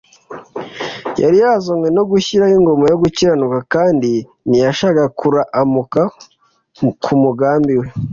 Yari yazanywe no gushyiraho ingoma yo gukiranuka kandi ntiyashakaga kuruamuka ku mugambi we.